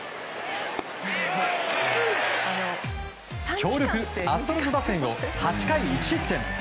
強力アストロズ打線を８回１失点。